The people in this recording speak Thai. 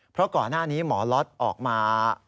เพราะก่อนหน้านี้หมอล็อตออกมา